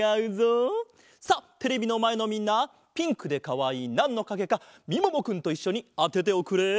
さあテレビのまえのみんなピンクでかわいいなんのかげかみももくんといっしょにあてておくれ。